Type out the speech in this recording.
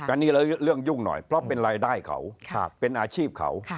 อันนี้เรื่องยุ่งหน่อยเพราะเป็นรายได้เขาเป็นอาชีพเขา